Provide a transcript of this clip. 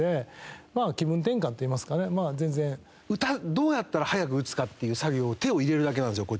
どうやったら早く打つかっていう作業を手を入れるだけなんですよこっちは。